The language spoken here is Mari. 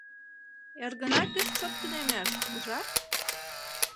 «Эргына пеш чот тунемеш, ужат.